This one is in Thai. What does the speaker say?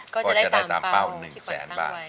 ก็จะได้ตามเป้า๑แสนบาท